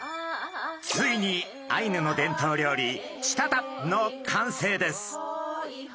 ついにアイヌの伝統料理チタタプの完成です。